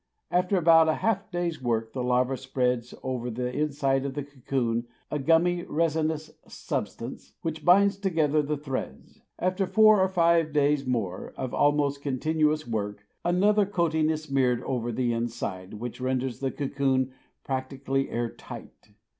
After about a half day's work the larva spreads over the inside of the cocoon a gummy, resinous substance, which binds together the threads. After four or five days more of almost continuous work, another coating is smeared over the inside, which renders the cocoon practically air tight.